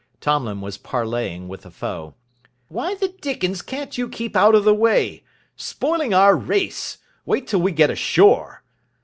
Tomlin was parleying with the foe. "Why the dickens can't you keep out of the way? Spoiling our race. Wait till we get ashore."